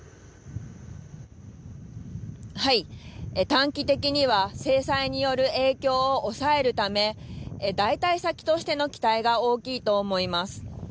短期的には制裁による影響を抑えるため代替先としての期待が大きいと思います。